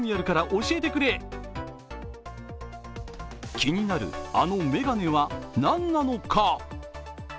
気になるあの眼鏡は何なのか。